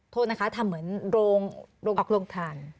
โทษนะคะทำเหมือนโรงออกโรงทาน